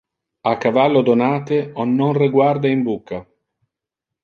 A cavallo donate on non reguarda in bucca.